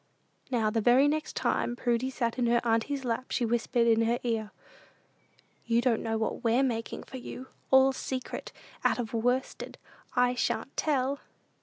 Now, the very next time Prudy sat in her auntie's lap she whispered in her ear, "You don't know what we're making for you, all secret, out of worsted, and I shan't tell!"